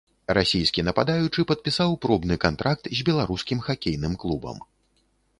Расійскі нападаючы падпісаў пробны кантракт з беларускім хакейным клубам.